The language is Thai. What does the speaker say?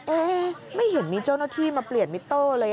เอ๊ะไม่เห็นมีเจ้าหน้าที่มาเปลี่ยนมิเตอร์เลย